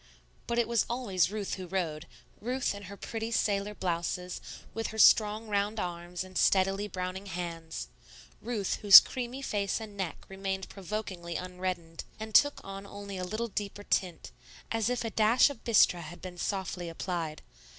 But it was always Ruth who rowed, Ruth in her pretty sailor blouses, with her strong round arms and steadily browning hands; Ruth, whose creamy face and neck remained provokingly unreddened, and took on only a little deeper tint, as if a dash of bistre had been softly applied.